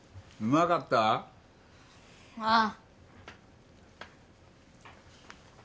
うまかった？ああ。